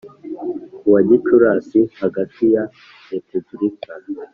Ku wa gicurasi hagati ya repubulika